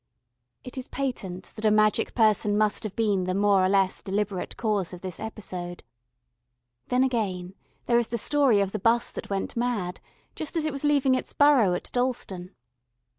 It is patent that a magic person must have been the more or less deliberate cause of this episode. Then again, there is the story of the 'bus that went mad, just as it was leaving its burrow at Dalston.